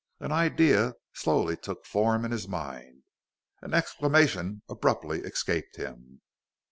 An idea slowly took form in his mind; an exclamation abruptly escaped him.